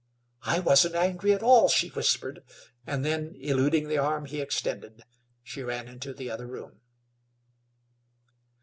"I wasn't angry at all," she whispered, and then, eluding the arm he extended, she ran into the other room.